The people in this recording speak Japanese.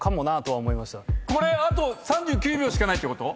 あと３９秒しかないってこと？